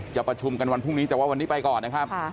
จะประชุมกันวันพรุ่งนี้แต่ว่าวันนี้ไปก่อนนะครับ